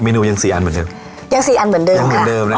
นูยังสี่อันเหมือนเดิมยังสี่อันเหมือนเดิมยังเหมือนเดิมนะคะ